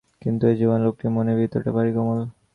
কিন্তু, এই জোয়ান লোকটির মনের ভিতরটা ভারি কোমল।